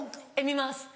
見ます。